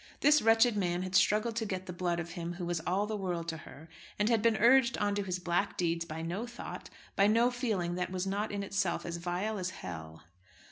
This wretched man had struggled to get the blood of him who was all the world to her; and had been urged on to his black deeds by no thought, by no feeling, that was not in itself as vile as hell!